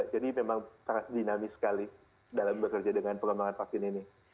jadi memang sangat dinamis sekali dalam bekerja dengan perkembangan vaksin ini